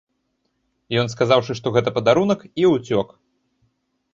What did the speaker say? Ён сказаўшы, што гэта падарунак, і ўцёк.